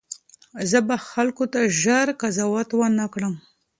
زه به خلکو ته ژر قضاوت ونه کړم.